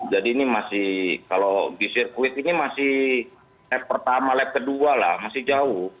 jadi ini masih kalau di sirkuit ini masih lap pertama lap kedua lah masih jauh